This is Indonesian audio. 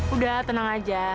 udah tenang aja